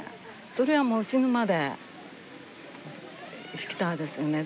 それはもう死ぬまで弾きたいですよね。